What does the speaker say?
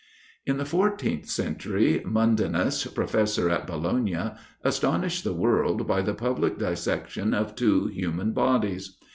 In the 14th century, Mundinus, professor at Bologna, astonished the world by the public dissection of two human bodies.